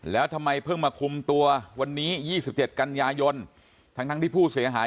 แล้วทำไมเพิ่งมาคุมตัววันนี้๒๗กันยายนทั้งที่ผู้เสียหาย